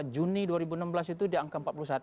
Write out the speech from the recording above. juni dua ribu enam belas itu di angka empat puluh satu